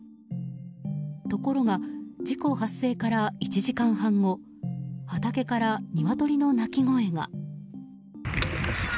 ところが事故発生から１時間半後畑からニワトリの鳴き声が。